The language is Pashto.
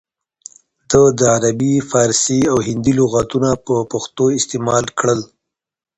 ده د عربي، فارسي او هندي لغاتونه په پښتو استعمال کړل